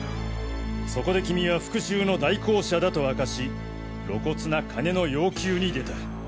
そこでキミは復讐の代行者だと明かし露骨な金の要求に出た。